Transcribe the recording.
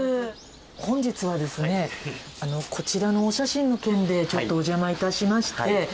本日はですねこちらのお写真の件でちょっとお邪魔致しまして。